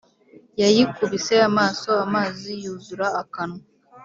yayikubise amaso amazi yuzura akanwa.